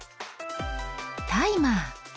タイマー。